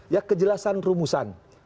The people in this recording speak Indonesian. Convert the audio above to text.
ya kejelasan rumusan